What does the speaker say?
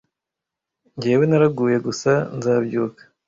jyewe naraguye gusa nzabyuka